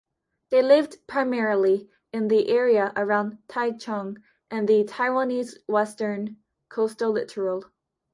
They lived primarily in the area around Taichung and the Taiwanese western coastal littoral.